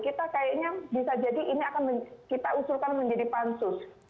kita kayaknya bisa jadi ini akan kita usulkan menjadi pansus